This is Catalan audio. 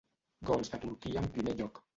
Gols de Turquia en primer lloc.